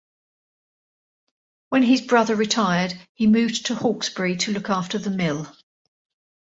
When his brother retired, he moved to Hawkesbury to look after the mill.